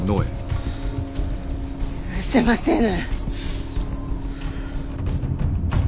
許せませぬ。